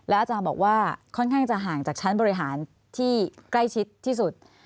อาจารย์บอกว่าค่อนข้างจะห่างจากชั้นบริหารที่ใกล้ชิดที่สุด